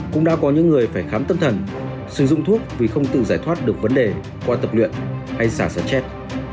cũng đã có những người phải khám tâm thần sử dụng thuốc vì không tự giải thoát được vấn đề qua tập luyện hay xả sám chết